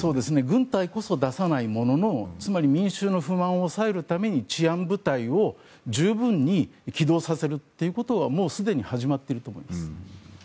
軍隊こそ出さないもののつまり民衆の不満を抑えるために治安部隊を十分に起動させるということはもうすでに始まっていると思います。